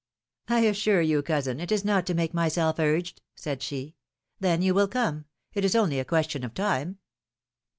I assure you, cousin, it is not to make myself urged," said she. '^Then you will come — it is only a question of time."